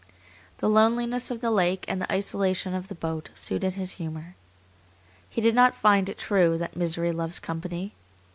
The loneliness of the lake and the isolation of the boat suited his humor. He did not find it true that misery loves company.